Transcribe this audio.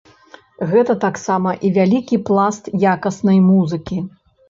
Гэта таксама і вялікі пласт якаснай музыкі.